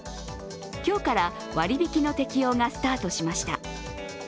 今日から割引の適用がスタートしました。